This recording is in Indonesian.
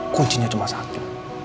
kuncinya cuma satu